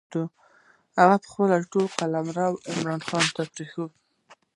او هغه خپل ټول قلمرو عمرا خان ته پرېښود.